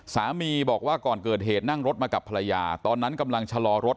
สามีบอกว่าก่อนเกิดเหตุนั่งรถมากับภรรยาตอนนั้นกำลังชะลอรถ